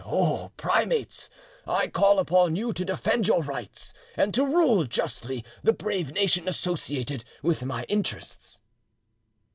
O primates! I call upon you to defend your rights, and to rule justly the brave nation associated with my interests."